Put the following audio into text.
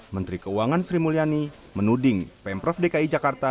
menteri keuangan sri mulyani menuding pemprov dki jakarta